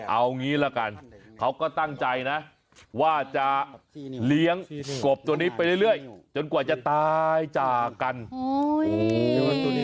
เอางี้ละกันเขาก็ตั้งใจนะว่าจะเลี้ยงกบตัวนี้ไปเรื่อยจนกว่าจะตายจากกันตัวนี้